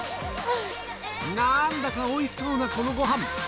なんだかおいしそうなこのご飯